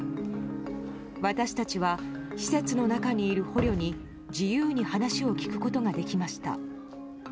私たちは施設の中にいる捕虜に自由に話を聞くことができました。